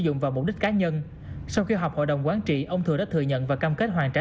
dụng vào mục đích cá nhân sau khi họp hội đồng quán trị ông thừa đã thừa nhận và cam kết hoàn trả